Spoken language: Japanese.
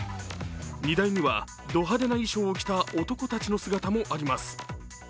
荷台にはド派手な衣装を着た男たちの姿もあります。